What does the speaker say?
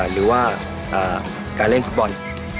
หรือว่าการเล่นฟุตบอล